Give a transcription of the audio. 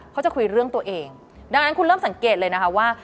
เขาจะคุยเรื่องตัวเองดังนั้นคุณเริ่มสังเกตเลยนะคะว่า